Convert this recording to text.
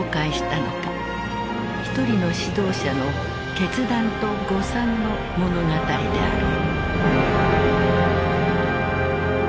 一人の指導者の決断と誤算の物語である。